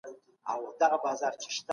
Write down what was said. نړیوال قانون په دوامداره توګه وده کوي.